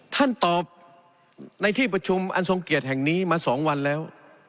ท่านตอบในที่ประชุมอันทรงเกียรติแห่งนี้มา๒วันแล้ว